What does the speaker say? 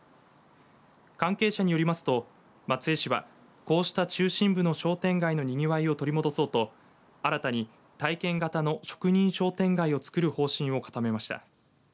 関係者によりますと松江市は、こうした中心部の商店街のにぎわいを取り戻そうと新たに体験型の職人商店街をつくる方針を固めました。